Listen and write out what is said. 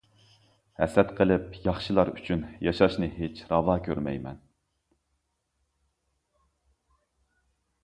ھەسەت قىلىپ ياخشىلار ئۈچۈن، ياشاشنى ھېچ راۋا كۆرمەيمەن.